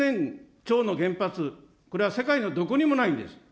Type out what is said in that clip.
超の原発、これは世界のどこにもないんです。